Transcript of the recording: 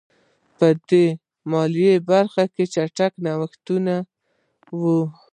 دا په مالي برخه کې چټک نوښتونه وو.